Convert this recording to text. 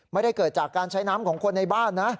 ไม่ได้เกิดจากการใช้น้ำของคนในบ้านนะ